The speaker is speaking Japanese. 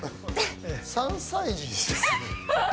３歳児ですね。